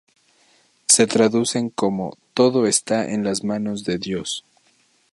Se traducen como "Todo está en las manos de Dios".